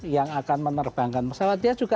yang akan menerbangkan pesawat dia juga